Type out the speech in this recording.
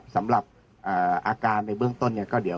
สำหรับอาการในเบื้องต้น